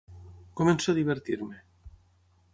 Començo a divertir-me.